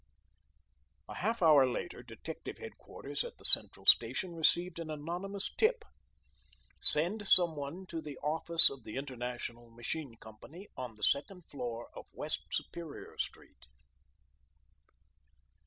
A half hour later detective headquarters at the Central Station received an anonymous tip: "Send some one to the office of the International Machine Company, on the second floor of West Superior Street."